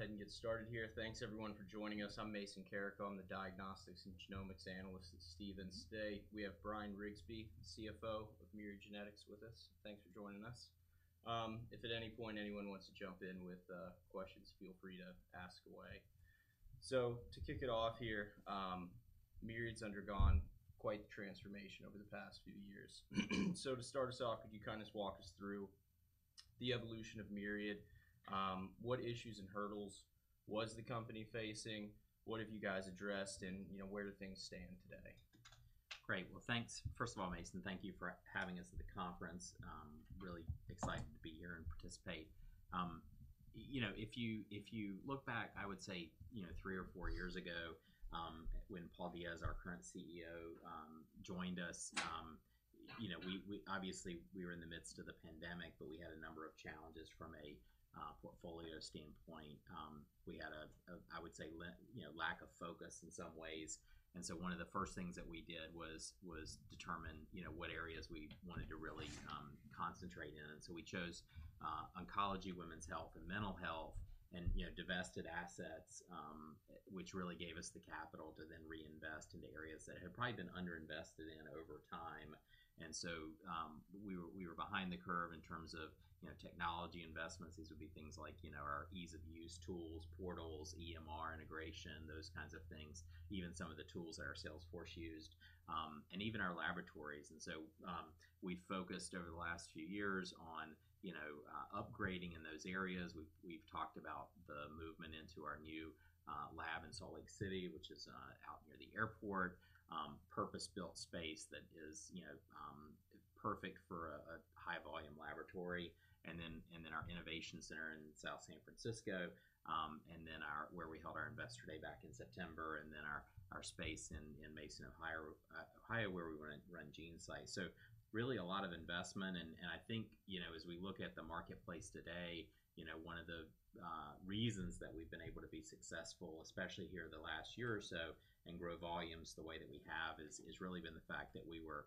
We'll go ahead and get started here. Thanks everyone for joining us. I'm Mason Carrico, I'm the Diagnostics and Genomics Analyst at Stephens. Today, we have Bryan Riggsbee, CFO of Myriad Genetics, with us. Thanks for joining us. If at any point anyone wants to jump in with questions, feel free to ask away. So to kick it off here, Myriad's undergone quite the transformation over the past few years. So to start us off, could you kind of just walk us through the evolution of Myriad? What issues and hurdles was the company facing? What have you guys addressed? And, you know, where do things stand today? Great. Well, thanks, first of all, Mason, thank you for having us at the conference. Really excited to be here and participate. You know, if you look back, I would say, you know, three or four years ago, when Paul Diaz, our current CEO, joined us, you know, we obviously were in the midst of the pandemic, but we had a number of challenges from a portfolio standpoint. We had a, I would say, you know, lack of focus in some ways. And so one of the first things that we did was determine, you know, what areas we wanted to really concentrate in. So we chose oncology, women's health, and mental health, and, you know, divested assets, which really gave us the capital to then reinvest into areas that had probably been underinvested in over time. And so we were, we were behind the curve in terms of, you know, technology investments. These would be things like, you know, our ease-of-use tools, portals, EMR integration, those kinds of things. Even some of the tools that our sales force used, and even our laboratories. And so we focused over the last few years on, you know, upgrading in those areas. We've, we've talked about the movement into our new lab in Salt Lake City, which is out near the airport. A purpose-built space that is, you know, perfect for a high-volume laboratory, and then our innovation center in South San Francisco, where we held our investor day back in September, and then our space in Mason, Ohio, where we run GeneSight. So really a lot of investment and I think, you know, as we look at the marketplace today, you know, one of the reasons that we've been able to be successful, especially here in the last year or so, and grow volumes the way that we have is really been the fact that we were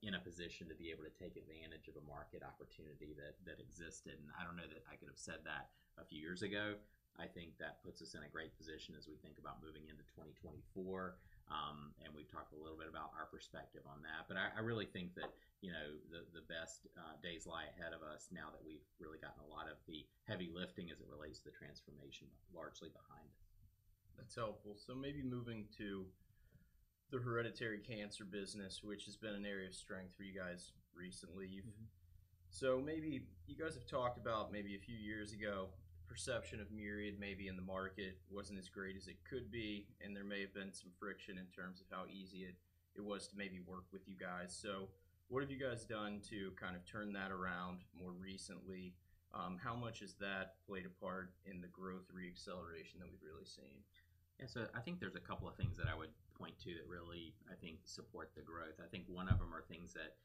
in a position to be able to take advantage of a market opportunity that existed. And I don't know that I could have said that a few years ago. I think that puts us in a great position as we think about moving into 2024. And we've talked a little bit about our perspective on that. But I really think that, you know, the best days lie ahead of us now that we've really gotten a lot of the heavy lifting as it relates to the transformation largely behind us. That's helpful. So maybe moving to the hereditary cancer business, which has been an area of strength for you guys recently. So maybe you guys have talked about maybe a few years ago, perception of Myriad, maybe in the market, wasn't as great as it could be, and there may have been some friction in terms of how easy it was to maybe work with you guys. So what have you guys done to kind of turn that around more recently? How much has that played a part in the growth reacceleration that we've really seen? Yeah. So I think there's a couple of things that I would point to that really, I think, support the growth. I think one of them are things that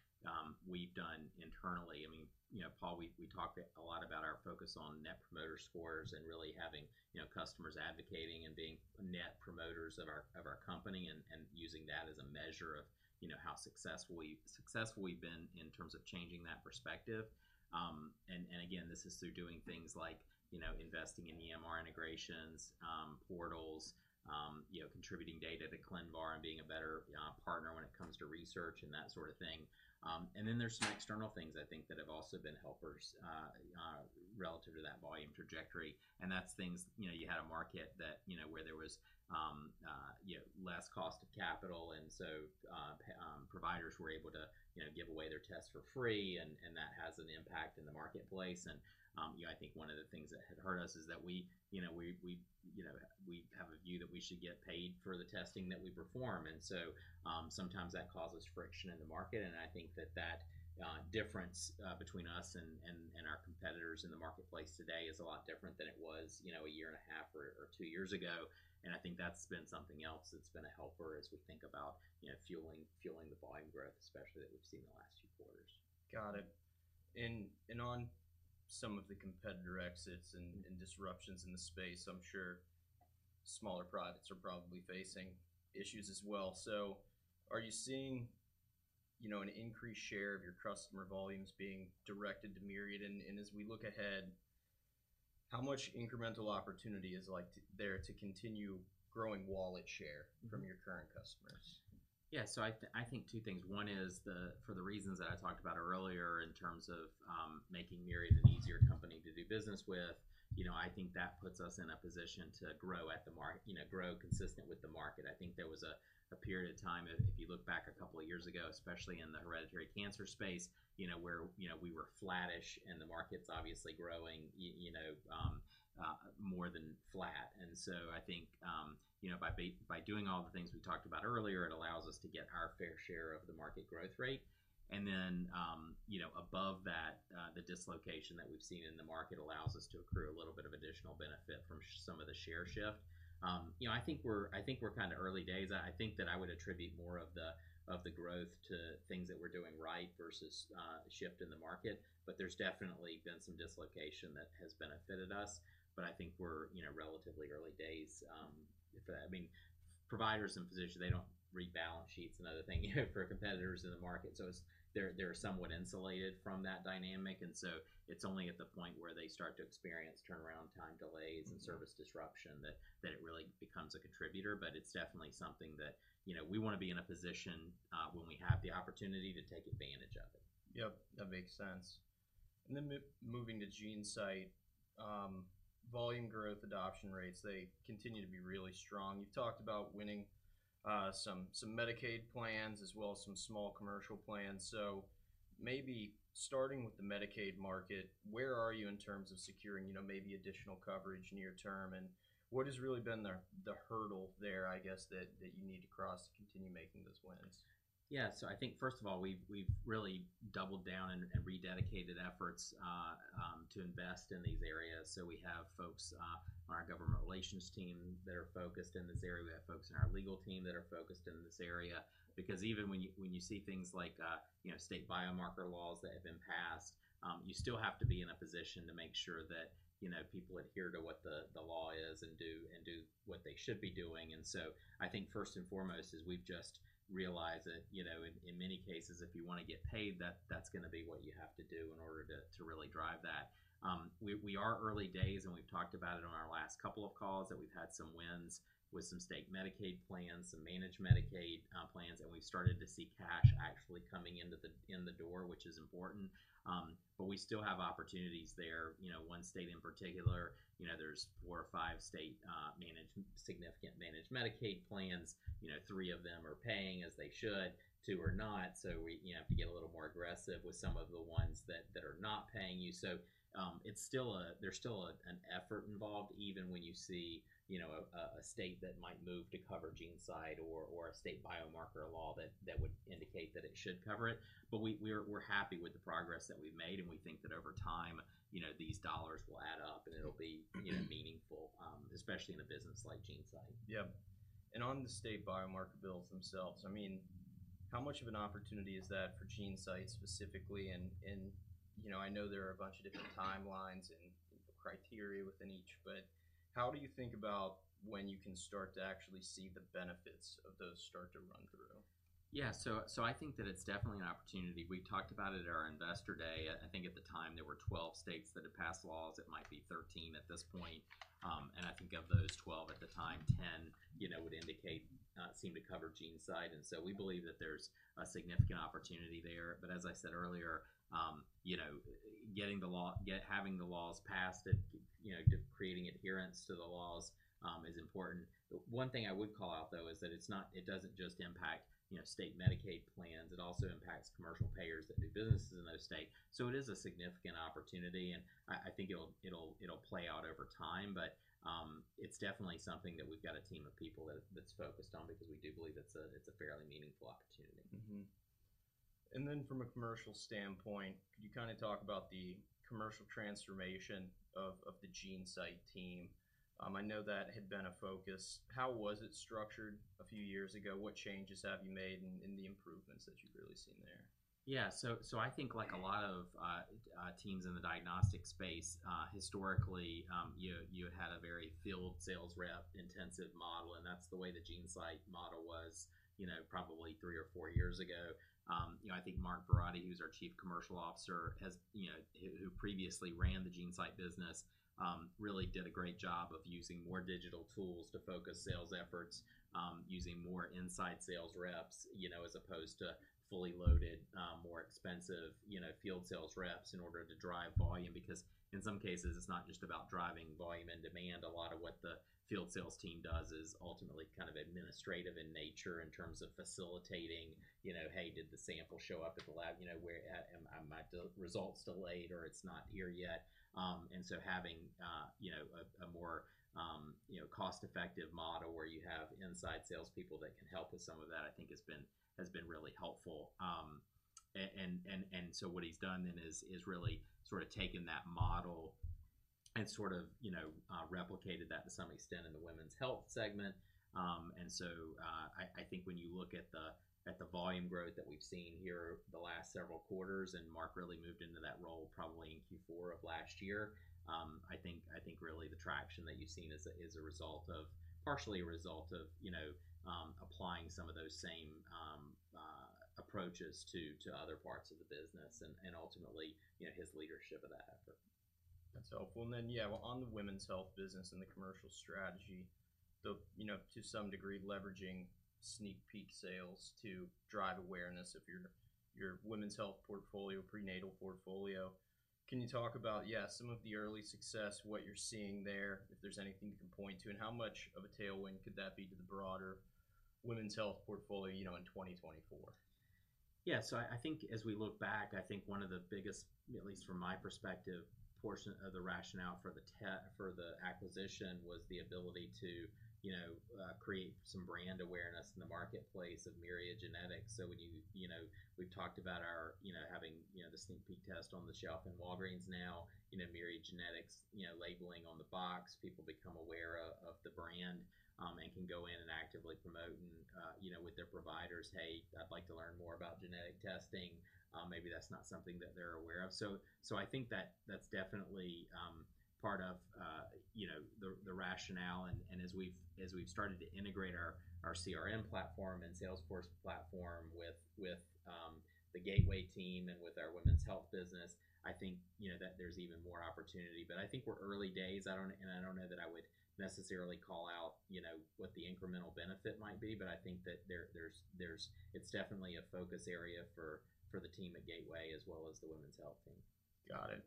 we've done internally. I mean, you know, Paul, we talked a lot about our focus on Net Promoter Scores and really having, you know, customers advocating and being net promoters of our company, and using that as a measure of, you know, how successful we've been in terms of changing that perspective. And again, this is through doing things like, you know, investing in EMR integrations, portals, you know, contributing data to ClinVar, and being a better partner when it comes to research and that sort of thing. And then there's some external things I think that have also been helpers relative to that volume trajectory. And that's things... You know, you had a market that, you know, where there was, you know, less cost of capital, and so, providers were able to, you know, give away their tests for free, and, and that has an impact in the marketplace. And, you know, I think one of the things that had hurt us is that we, you know, we, we, you know, we have a view that we should get paid for the testing that we perform, and so, sometimes that causes friction in the market. And I think that that, difference, between us and, and, and our competitors in the marketplace today is a lot different than it was, you know, a year and a half or, or two years ago. I think that's been something else that's been a helper as we think about, you know, fueling the volume growth, especially that we've seen in the last few quarters. Got it. And on some of the competitor exits and disruptions in the space, I'm sure smaller privates are probably facing issues as well. So are you seeing, you know, an increased share of your customer volumes being directed to Myriad? And as we look ahead, how much incremental opportunity is, like, there to continue growing wallet share from your current customers? Yeah. So I think two things. One is for the reasons that I talked about earlier in terms of making Myriad an easier company to do business with, you know. I think that puts us in a position to grow at the market, you know, grow consistent with the market. I think there was a period of time, if you look back a couple of years ago, especially in the hereditary cancer space, you know, where, you know, we were flattish, and the market's obviously growing, you know, more than flat. And so I think, you know, by doing all the things we talked about earlier, it allows us to get our fair share of the market growth rate. Then, you know, above that, the dislocation that we've seen in the market allows us to accrue a little bit of additional benefit from some of the share shift. You know, I think we're, I think we're kind of early days. I think that I would attribute more of the, of the growth to things that we're doing right versus shift in the market, but there's definitely been some dislocation that has benefited us. But I think we're, you know, relatively early days, for that. I mean, providers and physicians, they don't read balance sheets and other thing for competitors in the market. So it's, they're, they're somewhat insulated from that dynamic, and so it's only at the point where they start to experience turnaround time delays- Mm-hmm. and service disruption, that it really becomes a contributor. But it's definitely something that, you know, we wanna be in a position when we have the opportunity to take advantage of it. Yep, that makes sense. And then moving to GeneSight. Volume growth, adoption rates, they continue to be really strong. You've talked about winning some, some Medicaid plans, as well as some small commercial plans. So maybe starting with the Medicaid market, where are you in terms of securing, you know, maybe additional coverage near term? And what has really been the hurdle there, I guess, that you need to cross to continue making those wins? Yeah. So I think, first of all, we've really doubled down and rededicated efforts to invest in these areas. So we have folks on our government relations team that are focused in this area. We have folks in our legal team that are focused in this area. Because even when you see things like, you know, state biomarker laws that have been passed, you still have to be in a position to make sure that, you know, people adhere to what the law is and do what they should be doing. And so, I think first and foremost, is we've just realized that, you know, in many cases, if you wanna get paid, that's gonna be what you have to do in order to really drive that. We are early days, and we've talked about it on our last couple of calls, that we've had some wins with some state Medicaid plans, some managed Medicaid plans, and we've started to see cash actually coming into the door, which is important. But we still have opportunities there. You know, one state in particular, you know, there's four or five state managed significant managed Medicaid plans. You know, three of them are paying as they should, two are not. So we, you know, have to get a little more aggressive with some of the ones that are not paying you. So, it's still—there's still an effort involved, even when you see, you know, a state that might move to cover GeneSight or a state biomarker law that would indicate that it should cover it. But we're happy with the progress that we've made, and we think that over time, you know, these dollars will add up and it'll be you know, meaningful, especially in a business like GeneSight. Yep. And on the state biomarker bills themselves, I mean, how much of an opportunity is that for GeneSight specifically? And, you know, I know there are a bunch of different timelines and criteria within each, but how do you think about when you can start to actually see the benefits of those start to run through? Yeah. So I think that it's definitely an opportunity. We talked about it at our Investor Day. I think at the time there were 12 states that had passed laws, it might be 13 at this point. And I think of those 12 at the time, 10, you know, would indicate, seemed to cover GeneSight. And so we believe that there's a significant opportunity there. But as I said earlier, you know, having the laws passed and, you know, creating adherence to the laws, is important. One thing I would call out, though, is that it doesn't just impact, you know, state Medicaid plans, it also impacts commercial payers that do businesses in those states. So it is a significant opportunity, and I think it'll play out over time. It's definitely something that we've got a team of people that's focused on, because we do believe it's a, it's a fairly meaningful opportunity. Mm-hmm. And then from a commercial standpoint, could you kind of talk about the commercial transformation of, of the GeneSight team? I know that had been a focus. How was it structured a few years ago? What changes have you made and the improvements that you've really seen there? Yeah. So I think like a lot of teams in the diagnostic space, historically, you had a very field sales rep intensive model, and that's the way the GeneSight model was, you know, probably three or four years ago. You know, I think Mark Verratti, who's our Chief Commercial Officer, has, who previously ran the GeneSight business, really did a great job of using more digital tools to focus sales efforts. Using more inside sales reps, you know, as opposed to fully loaded, more expensive, you know, field sales reps in order to drive volume. Because in some cases, it's not just about driving volume and demand. A lot of what the field sales team does is ultimately kind of administrative in nature, in terms of facilitating, you know, "Hey, did the sample show up at the lab?" You know, "Where are my results delayed or it's not here yet?" And so having, you know, a more cost-effective model where you have inside sales people that can help with some of that, I think has been really helpful. And so what he's done then is really sort of taken that model and sort of, you know, replicated that to some extent in the women's health segment. And so, I think when you look at the volume growth that we've seen here over the last several quarters, and Mark really moved into that role, probably in Q4 of last year, I think really the traction that you've seen is a result of, partially a result of, you know, applying some of those same approaches to other parts of the business and ultimately, you know, his leadership of that effort. That's helpful. And then, yeah, well, on the women's health business and the commercial strategy, you know, to some degree, leveraging SneakPeek sales to drive awareness of your, your women's health portfolio, prenatal portfolio. Can you talk about, yeah, some of the early success, what you're seeing there, if there's anything you can point to? And how much of a tailwind could that be to the broader women's health portfolio, you know, in 2024? Yeah. So I think as we look back, I think one of the biggest, at least from my perspective, portion of the rationale for the acquisition, was the ability to, you know, create some brand awareness in the marketplace of Myriad Genetics. So when you know, we've talked about our having the SneakPeek test on the shelf in Walgreens now, Myriad Genetics labeling on the box, people become aware of the brand, and can go in and actively promote their providers, "Hey, I'd like to learn more about genetic testing." Maybe that's not something that they're aware of. So I think that's definitely part of the rationale. As we've started to integrate our CRM platform and Salesforce platform with the Gateway team and with our women's health business, I think, you know, that there's even more opportunity. But I think we're early days, I don't and I don't know that I would necessarily call out, you know, what the incremental benefit might be, but I think that there's—it's definitely a focus area for the team at Gateway as well as the women's health team. Got it.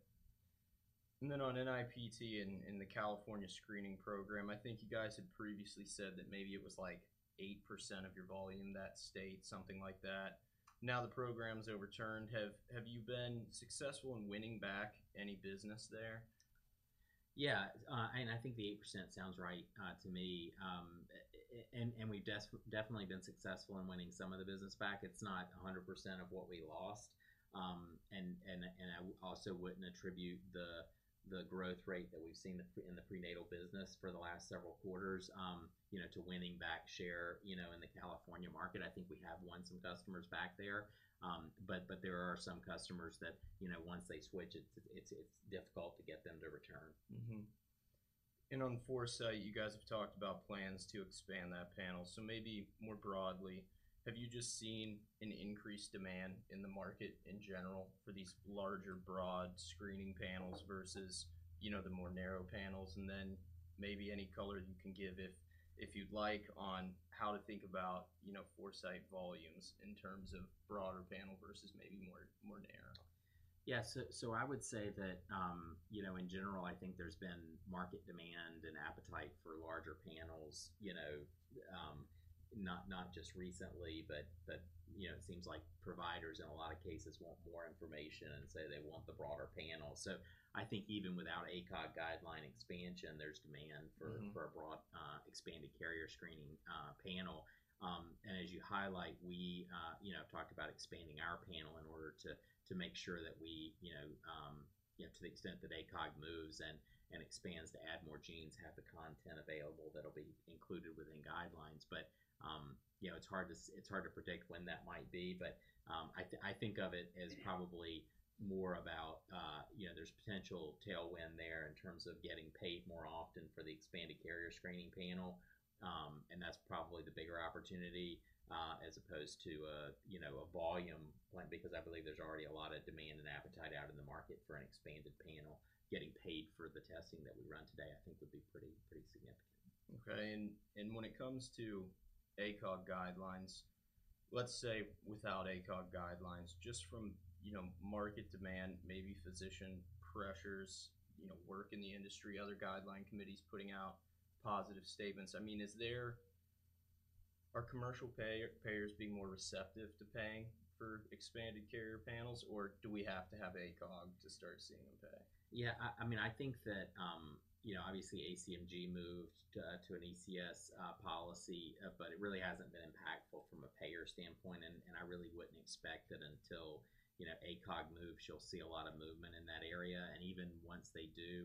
And then on NIPT in the California screening program, I think you guys had previously said that maybe it was like 8% of your volume in that state, something like that. Now, the program's overturned, have you been successful in winning back any business there? Yeah, and I think the 8% sounds right to me. And we've definitely been successful in winning some of the business back. It's not 100% of what we lost. And I also wouldn't attribute the growth rate that we've seen in the prenatal business for the last several quarters, you know, to winning back share, you know, in the California market. I think we have won some customers back there, but there are some customers that, you know, once they switch, it's difficult to get them to return. Mm-hmm. And on Foresight, you guys have talked about plans to expand that panel. So maybe more broadly, have you just seen an increased demand in the market in general for these larger, broad screening panels versus, you know, the more narrow panels? And then maybe any color you can give, if you'd like, on how to think about, you know, Foresight volumes in terms of broader panel versus maybe more narrow. Yeah. So I would say that, you know, in general, I think there's been market demand and appetite for larger panels, you know, not just recently, but, you know, it seems like providers, in a lot of cases, want more information, and so they want the broader panel. So I think even without ACOG guideline expansion, there's demand- Mm-hmm... for a broad, expanded carrier screening panel. And as you highlight, we, you know, talked about expanding our panel in order to make sure that we, you know, to the extent that ACOG moves and expands to add more genes, have the content available that'll be included within guidelines. But, you know, it's hard to predict when that might be, but, I think of it as- Mm-hmm... probably more about, you know, there's potential tailwind there in terms of getting paid more often for the expanded carrier screening panel. And that's probably the bigger opportunity, as opposed to a, you know, a volume plan, because I believe there's already a lot of demand and appetite out in the market for an expanded panel. Getting paid for the testing that we run today, I think would be pretty, pretty significant. Okay. And when it comes to ACOG guidelines, let's say without ACOG guidelines, just from, you know, market demand, maybe physician pressures, you know, work in the industry, other guideline committees putting out positive statements. I mean, are commercial payers being more receptive to paying for expanded carrier panels, or do we have to have ACOG to start seeing them pay? Yeah, I mean, I think that, you know, obviously ACMG moved to an ECS policy, but it really hasn't been impactful from a payer standpoint. And I really wouldn't expect that until, you know, ACOG moves, you'll see a lot of movement in that area. And even once they do,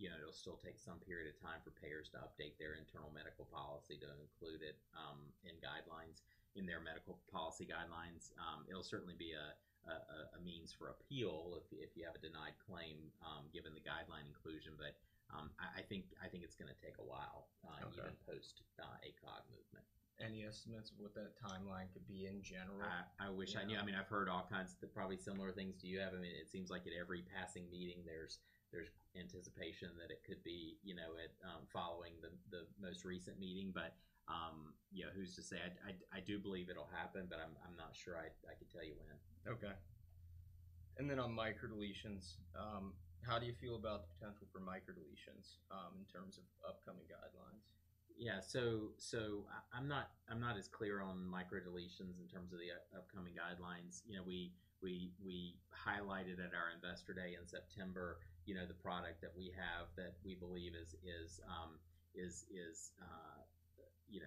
you know, it'll still take some period of time for payers to update their internal medical policy to include it, in guidelines, in their medical policy guidelines. It'll certainly be a means for appeal if you have a denied claim, given the guideline inclusion. But I think it's gonna take a while- Okay.... even post ACOG movement. Any estimates of what that timeline could be in general? I wish I knew. Yeah. I mean, I've heard all kinds of probably similar things to you have. I mean, it seems like at every passing meeting, there's anticipation that it could be, you know, at, following the most recent meeting. But, you know, who's to say? I do believe it'll happen, but I'm not sure I could tell you when. Okay. On microdeletions, how do you feel about the potential for microdeletions, in terms of upcoming guidelines? Yeah. So I'm not as clear on microdeletions in terms of the upcoming guidelines. You know, we highlighted at our Investor Day in September, you know, the product that we have that we believe is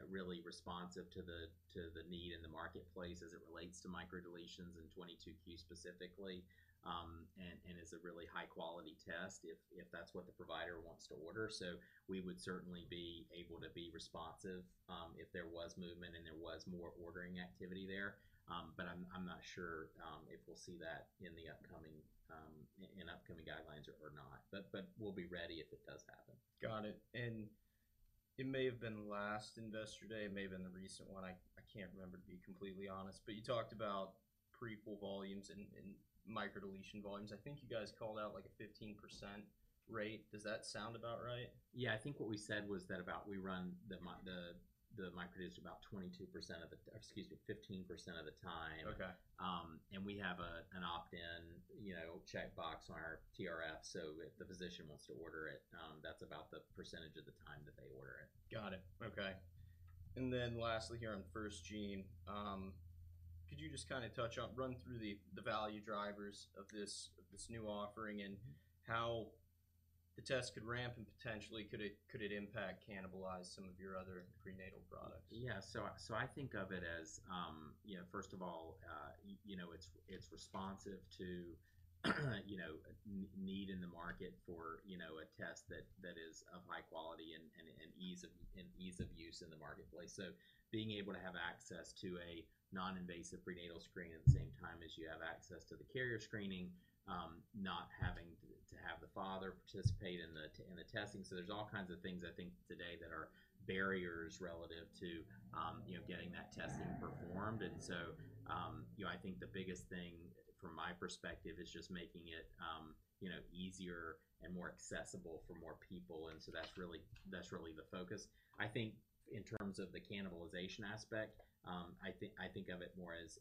really responsive to the need in the marketplace as it relates to microdeletions and 22q specifically, and is a really high-quality test if that's what the provider wants to order. So we would certainly be able to be responsive if there was movement and there was more ordering activity there. But I'm not sure if we'll see that in the upcoming guidelines or not. But we'll be ready if it does happen. Got it. And it may have been last Investor Day, it may have been the recent one, I can't remember, to be completely honest, but you talked about prenatal volumes and microdeletion volumes. I think you guys called out like a 15% rate. Does that sound about right? Yeah. I think what we said was that about we run the microdeletions about 22% of the... Excuse me, 15% of the time. Okay. And we have an opt-in, you know, checkbox on our TRF. So if the physician wants to order it, that's about the percentage of the time that they order it. Got it. Okay. And then lastly, here on FirstGene, could you just kind of touch on, run through the value drivers of this new offering, and how the test could ramp and potentially could it impact, cannibalize some of your other prenatal products? Yeah. So I think of it as you know, first of all, you know, it's responsive to you know, need in the market for you know, a test that is of high quality and ease of use in the marketplace. So being able to have access to a non-invasive prenatal screening at the same time as you have access to the carrier screening, not having to have the father participate in the testing. So there's all kinds of things, I think, today, that are barriers relative to you know, getting that testing performed. And so you know, I think the biggest thing from my perspective is just making it you know, easier and more accessible for more people, and so that's really the focus. I think in terms of the cannibalization aspect, I think of it more as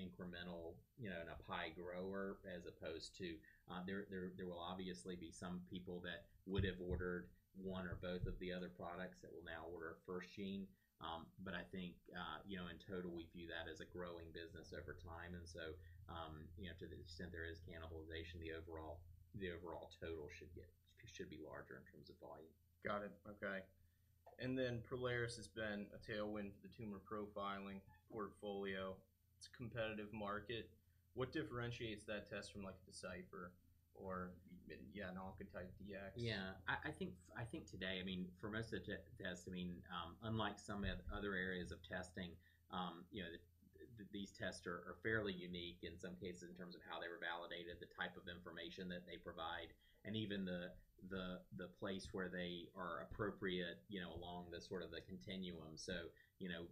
incremental, you know, in a pie grower, as opposed to... There will obviously be some people that would have ordered one or both of the other products that will now order a FirstGene. But I think, you know, in total, we view that as a growing business over time. And so, you know, to the extent there is cannibalization, the overall total should be larger in terms of volume. Got it. Okay. And then Prolaris has been a tailwind for the tumor profiling portfolio. It's a competitive market. What differentiates that test from, like, Decipher or, yeah, an Oncotype DX? Yeah. I think today, I mean, for most of the tests, I mean, unlike some of the other areas of testing, you know, these tests are fairly unique in some cases, in terms of how they were validated, the type of information that they provide, and even the place where they are appropriate, you know, along the sort of the continuum. So, you know,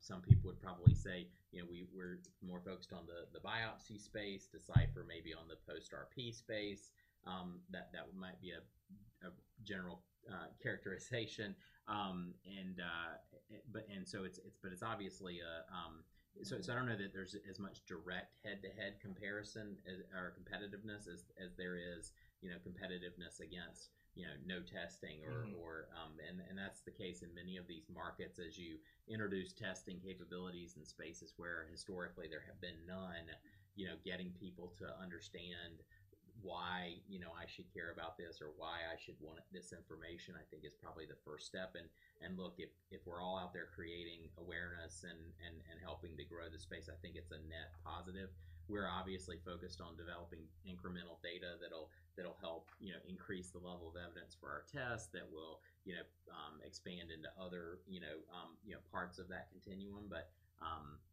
some people would probably say, you know, we're more focused on the biopsy space, Decipher may be on the post-RP space. That might be a general characterization. But it's obviously a... So, I don't know that there's as much direct head-to-head comparison as, or competitiveness as, there is, you know, competitiveness against, you know, no testing or- Mm-hmm... or, and that's the case in many of these markets. As you introduce testing capabilities in spaces where historically there have been none, you know, getting people to understand why, you know, I should care about this or why I should want this information, I think is probably the first step. And look, if we're all out there creating awareness and helping to grow the space, I think it's a net positive. We're obviously focused on developing incremental data that'll help, you know, increase the level of evidence for our tests, that will, you know, expand into other, you know, parts of that continuum. But,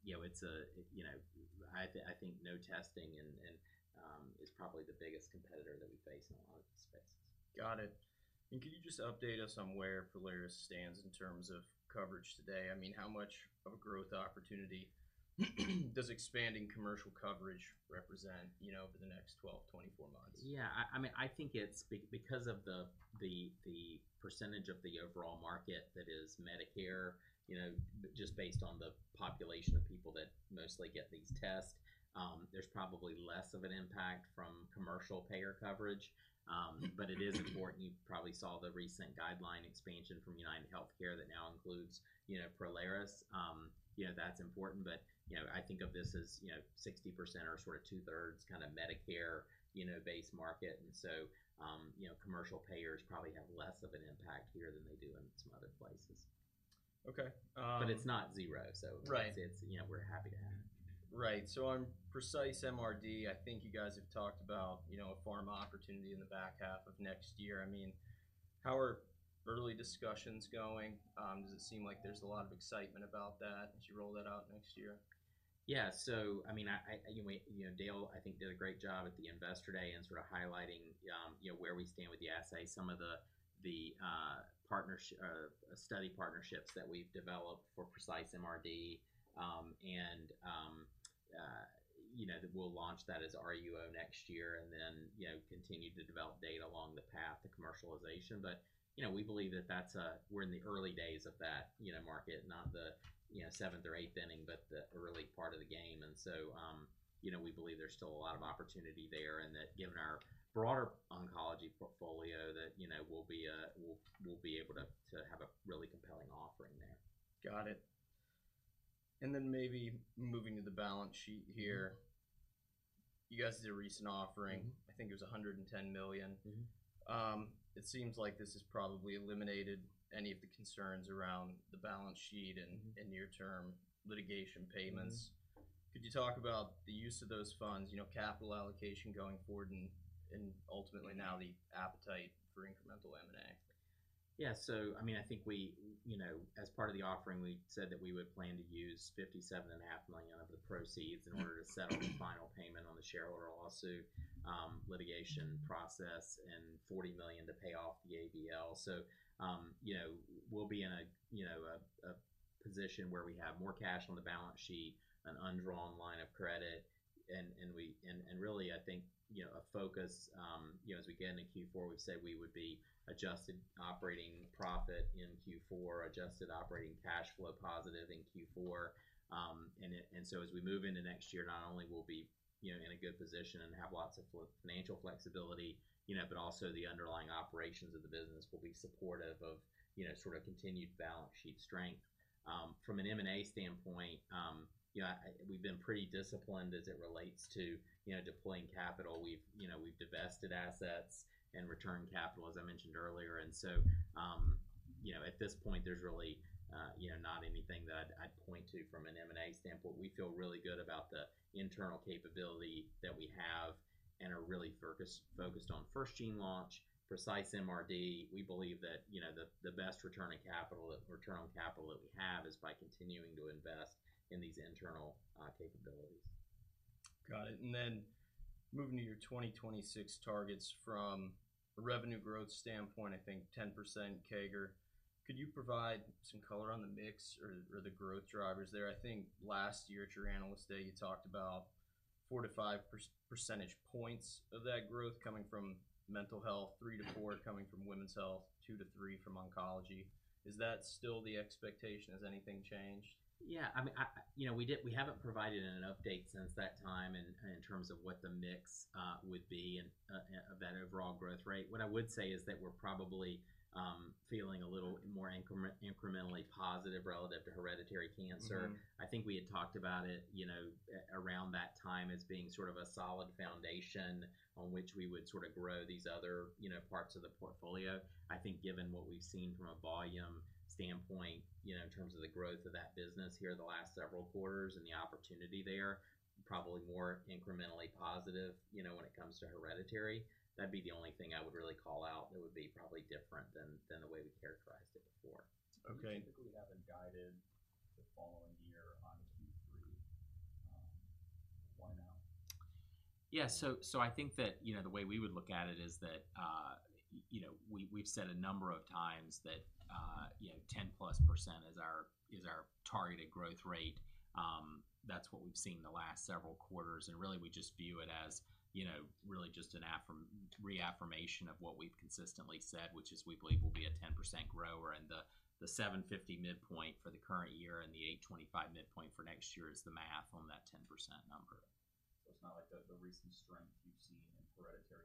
you know, it's a, you know... I think no testing is probably the biggest competitor that we face in a lot of the spaces. Got it. Could you just update us on where Prolaris stands in terms of coverage today? I mean, how much of a growth opportunity does expanding commercial coverage represent, you know, over the next 12-24 months? Yeah, I mean, I think it's because of the percentage of the overall market that is Medicare, you know, just based on the population of people that mostly get these tests, there's probably less of an impact from commercial payer coverage. But it is important. You probably saw the recent guideline expansion from UnitedHealthcare that now includes, you know, Prolaris. You know, that's important, but you know, I think of this as you know, 60% or sort of two-thirds kind of Medicare, you know, base market. So, you know, commercial payers probably have less of an impact here than they do in some other places. Okay, um- But it's not zero, so- Right... it's, you know, we're happy to have. Right. So on Precise MRD, I think you guys have talked about, you know, a pharma opportunity in the back half of next year. I mean, how are early discussions going? Does it seem like there's a lot of excitement about that as you roll that out next year? Yeah. So, I mean, you know, Dale, I think, did a great job at the Investor Day in sort of highlighting, you know, where we stand with the assay. Some of the study partnerships that we've developed for Precise MRD, and, you know, we'll launch that as RUO next year, and then, you know, continue to develop data along the path to commercialization. But, you know, we believe that that's we're in the early days of that, you know, market. Not the, you know, seventh or eighth inning, but the early part of the game. And so, you know, we believe there's still a lot of opportunity there, and that given our broader oncology portfolio, that, you know, we'll be, we'll, we'll be able to, to have a really compelling offering there. Got it. Then maybe moving to the balance sheet here. You guys did a recent offering. Mm-hmm. I think it was $110 million. Mm-hmm. It seems like this has probably eliminated any of the concerns around the balance sheet and- Mm-hmm... and near-term litigation payments. Mm-hmm. Could you talk about the use of those funds, you know, capital allocation going forward, and, and ultimately now the appetite for incremental M&A? Yeah. So, I mean, I think we, you know, as part of the offering, we said that we would plan to use $57.5 million of the proceeds in order to settle the final payment on the shareholder lawsuit litigation process, and $40 million to pay off the ABL. So, you know, we'll be in a position where we have more cash on the balance sheet, an undrawn line of credit, and really, I think, you know, a focus as we get into Q4, we've said we would be adjusted operating profit in Q4, adjusted operating cash flow positive in Q4. And so as we move into next year, not only will be, you know, in a good position and have lots of financial flexibility-... You know, but also the underlying operations of the business will be supportive of, you know, sort of continued balance sheet strength. From an M&A standpoint, you know, we've been pretty disciplined as it relates to, you know, deploying capital. We've, you know, we've divested assets and returned capital, as I mentioned earlier. And so, you know, at this point, there's really, you know, not anything that I'd point to from an M&A standpoint. We feel really good about the internal capability that we have and are really focused on FirstGene launch, Precise MRD. We believe that, you know, the best returning capital, return on capital that we have, is by continuing to invest in these internal capabilities. Got it. And then moving to your 2026 targets, from a revenue growth standpoint, I think 10% CAGR. Could you provide some color on the mix or, or the growth drivers there? I think last year at your Analyst Day, you talked about 4-5-percentage points of that growth coming from mental health, 3-4 coming from women's health, 2-3 from oncology. Is that still the expectation? Has anything changed? Yeah, I mean, you know, we haven't provided an update since that time in terms of what the mix would be and of that overall growth rate. What I would say is that we're probably feeling a little more incrementally positive relative to hereditary cancer. Mm-hmm. I think we had talked about it, you know, around that time as being sort of a solid foundation on which we would sort of grow these other, you know, parts of the portfolio. I think given what we've seen from a volume standpoint, you know, in terms of the growth of that business here in the last several quarters and the opportunity there, probably more incrementally positive, you know, when it comes to hereditary. That'd be the only thing I would really call out that would be probably different than the way we characterized it before. Okay. You typically haven't guided the following year on Q3, why now? Yeah. So, I think that, you know, the way we would look at it is that, you know, we, we've said a number of times that, you know, 10%+ is our targeted growth rate. That's what we've seen the last several quarters, and really, we just view it as, you know, really just a reaffirmation of what we've consistently said, which is we believe will be a 10% grower. And the $750 midpoint for the current year and the $825 midpoint for next year is the math on that 10% number. So it's not like the recent strength you've seen in hereditary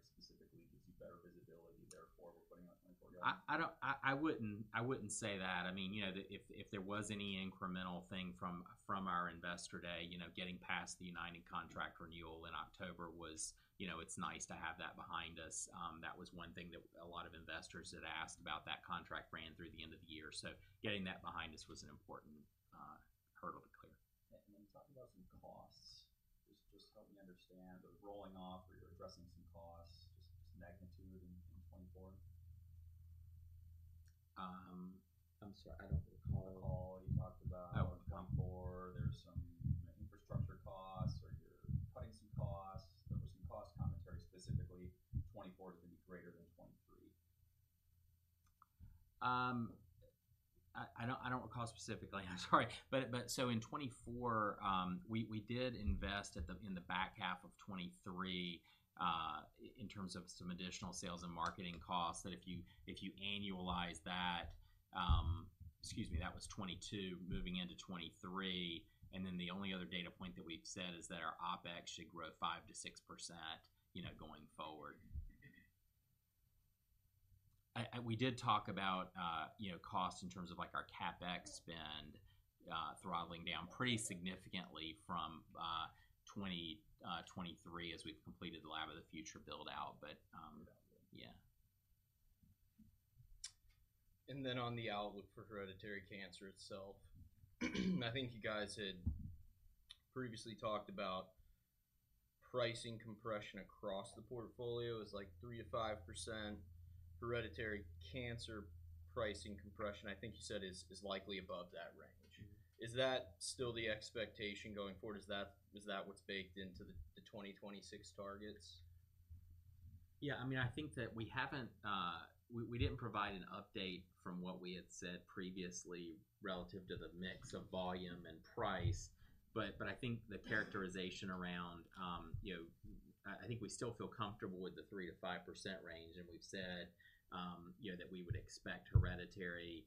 specifically gives you better visibility, therefore, we're putting out 2024 guidance? I wouldn't say that. I mean, you know, if there was any incremental thing from our Investor Day, you know, getting past the United contract renewal in October was, you know, it's nice to have that behind us. That was one thing that a lot of investors had asked about. That contract ran through the end of the year, so getting that behind us was an important hurdle to clear. Then talking about some costs. Just help me understand the rolling off or you're addressing some costs, just magnitude in 2024? I'm sorry, I don't recall. You talked about- I would- In 2024, there's some infrastructure costs or you're cutting some costs. There was some cost commentary, specifically 2024 is going to be greater than 2023. I don't recall specifically. I'm sorry. But so in 2024, we did invest in the back half of 2023 in terms of some additional sales and marketing costs, that if you annualize that... Excuse me, that was 2022, moving into 2023. And then the only other data point that we've said is that our OpEx should grow 5%-6%, you know, going forward. We did talk about, you know, costs in terms of like our CapEx spend, throttling down pretty significantly from 2023 as we've completed the Lab of the Future build-out, but. And then on the outlook for hereditary cancer itself, I think you guys had previously talked about pricing compression across the portfolio as, like, 3%-5%. Hereditary cancer pricing compression, I think you said is likely above that range. Mm-hmm. Is that still the expectation going forward? Is that what's baked into the 2026 targets? Yeah, I mean, I think that we haven't. We didn't provide an update from what we had said previously relative to the mix of volume and price. But I think the characterization around, you know, I think we still feel comfortable with the 3%-5% range. And we've said, you know, that we would expect hereditary,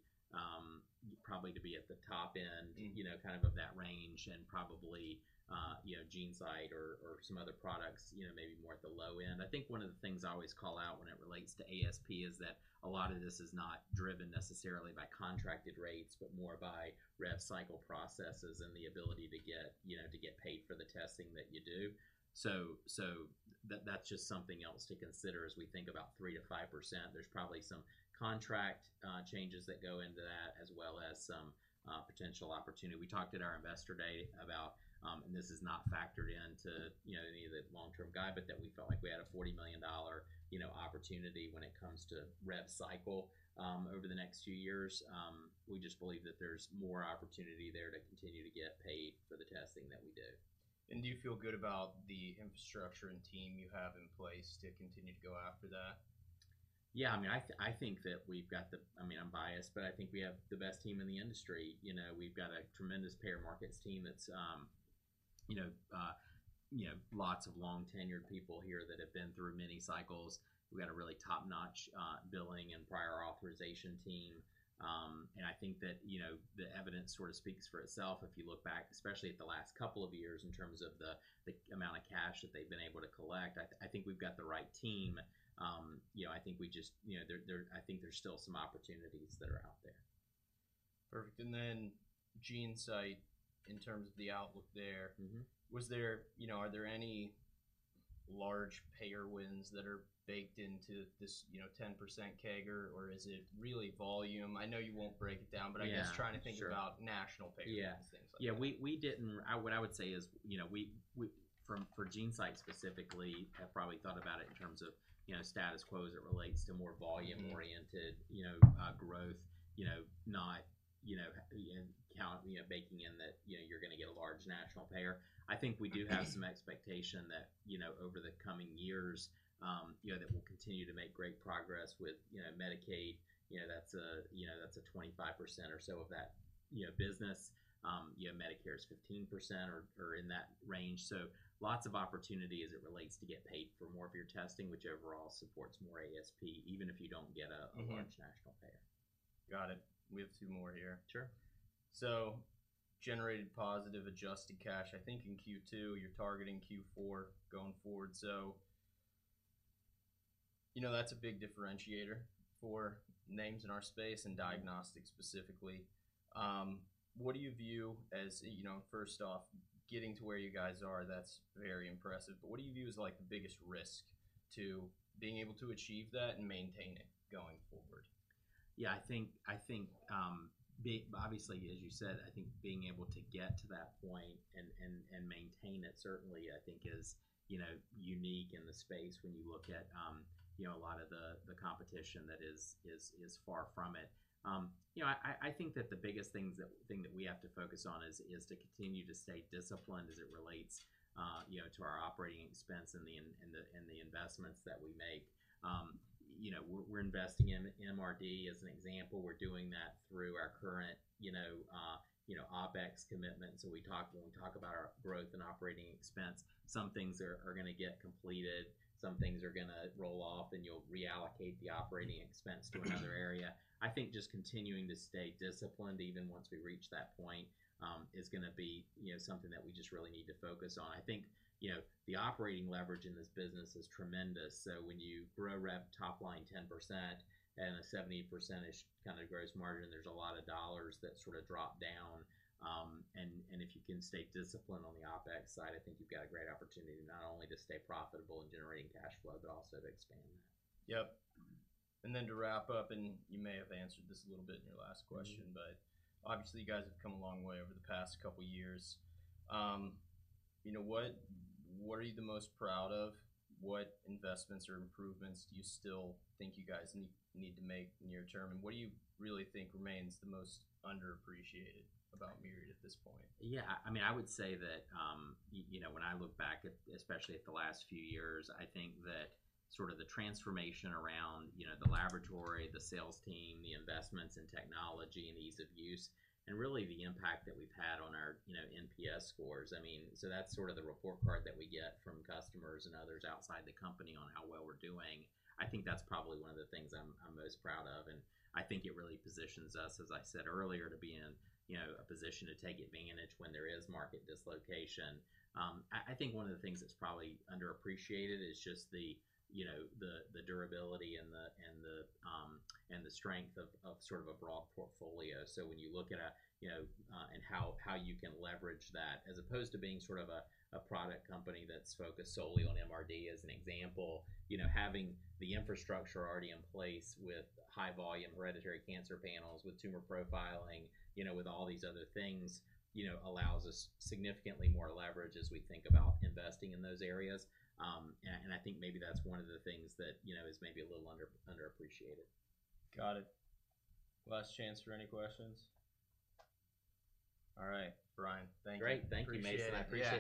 probably to be at the top end- Mm-hmm... you know, kind of of that range and probably, you know, GeneSight or, or some other products, you know, maybe more at the low end. I think one of the things I always call out when it relates to ASP is that a lot of this is not driven necessarily by contracted rates, but more by rev cycle processes and the ability to get, you know, to get paid for the testing that you do. So that's just something else to consider as we think about 3%-5%. There's probably some contract changes that go into that, as well as some potential opportunity. We talked at our Investor Day about... This is not factored into, you know, any of the long-term guide, but that we felt like we had a $40 million, you know, opportunity when it comes to rev cycle over the next few years. We just believe that there's more opportunity there to continue to get paid for the testing that we do. Do you feel good about the infrastructure and team you have in place to continue to go after that? Yeah, I mean, I think that we've got the... I mean, I'm biased, but I think we have the best team in the industry. You know, we've got a tremendous payer markets team that's, you know, lots of long-tenured people here that have been through many cycles. We've got a top-notch billing and prior authorization team. And I think that, you know, the evidence sort of speaks for itself. If you look back, especially at the last couple of years, in terms of the amount of cash that they've been able to collect, I think we've got the right team. You know, I think we just, you know, there I think there's still some opportunities that are out there. Perfect. And then GeneSight, in terms of the outlook there- Mm-hmm. Was there... You know, are there any large payer wins that are baked into this, you know, 10% CAGR? Or is it really volume? I know you won't break it down- Yeah, sure. but I guess trying to think about national payer Yeah things like that. Yeah, what I would say is, you know, we for GeneSight specifically have probably thought about it in terms of, you know, status quo as it relates to more volume- Mm-hmm ...oriented, you know, growth. You know, not, you know, in count, you know, baking in that, you know, you're gonna get a large national payer. I think we do have some expectation that, you know, over the coming years, you know, that we'll continue to make great progress with, you know, Medicaid. You know, that's a, you know, that's a 25% or so of that, you know, business. You know, Medicare is 15% or, or in that range. So lots of opportunity as it relates to getting paid for more of your testing, which overall supports more ASP, even if you don't get a- Mm-hmm... a large national payer. Got it. We have two more here. Sure. So generated positive adjusted cash, I think in Q2. You're targeting Q4 going forward. So, you know, that's a big differentiator for names in our space and diagnostics specifically. What do you view as... You know, first off, getting to where you guys are, that's very impressive. But what do you view as, like, the biggest risk to being able to achieve that and maintain it going forward? Yeah, I think, obviously, as you said, I think being able to get to that point and maintain it, certainly, I think is, you know, unique in the space when you look at, you know, a lot of the competition that is far from it. You know, I think that the biggest thing that we have to focus on is to continue to stay disciplined as it relates, you know, to our operating expense and the investments that we make. You know, we're investing in MRD, as an example. We're doing that through our current, you know, OpEx commitments. When we talk, when we talk about our growth and operating expense, some things are gonna get completed, some things are gonna roll off, and you'll reallocate the operating expense to another area. I think just continuing to stay disciplined, even once we reach that point, is gonna be, you know, something that we just really need to focus on. I think, you know, the operating leverage in this business is tremendous. So when you grow rev top line 10% and a 70%-ish kind of gross margin, there's a lot of dollars that sort of drop down. And if you can stay disciplined on the OpEx side, I think you've got a great opportunity, not only to stay profitable in generating cash flow, but also to expand that. Yep. And then to wrap up, and you may have answered this a little bit in your last question- Mm-hmm.... but obviously, you guys have come a long way over the past couple years. You know, what, what are you the most proud of? What investments or improvements do you still think you guys need, need to make near term? And what do you really think remains the most underappreciated about Myriad at this point? Yeah, I mean, I would say that you know, when I look back at, especially at the last few years, I think that sort of the transformation around you know, the laboratory, the sales team, the investments in technology, and ease of use, and really the impact that we've had on our you know, NPS scores. I mean, so that's sort of the report card that we get from customers and others outside the company on how well we're doing. I think that's probably one of the things I'm most proud of, and I think it really positions us, as I said earlier, to be in you know, a position to take advantage when there is market dislocation. I think one of the things that's probably underappreciated is just the, you know, the durability and the strength of sort of a broad portfolio. So when you look at, you know, and how you can leverage that, as opposed to being sort of a product company that's focused solely on MRD, as an example. You know, having the infrastructure already in place with high-volume hereditary cancer panels, with tumor profiling, you know, with all these other things, you know, allows us significantly more leverage as we think about investing in those areas. And I think maybe that's one of the things that, you know, is maybe a little underappreciated. Got it. Last chance for any questions. All right, Bryan, thank you. Great. Thank you, Mason. Appreciate it. I appreciate it.